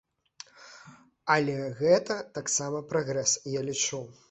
Але гэта таксама прагрэс, я лічу.